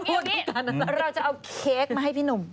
เอาอย่างนี้เราจะเอาเค้กมาให้พี่หนุ่ม